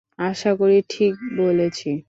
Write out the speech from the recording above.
আশা করি ঠিক বলেছি?